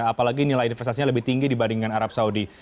apalagi nilai investasinya lebih tinggi dibandingkan arab saudi